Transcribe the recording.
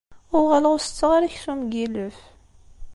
Uɣaleɣ ur setteɣ ara aksum n yilef.